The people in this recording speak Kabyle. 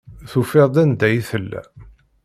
Tufiḍ-d anda ay tella.